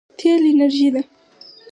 تېل انرژي ده.